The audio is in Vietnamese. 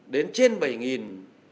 đến trên bảy nghìn